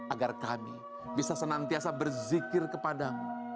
agar kami bisa senantiasa berzikir kepadamu